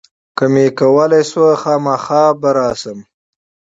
که مې کولای شول، هرومرو به راشم.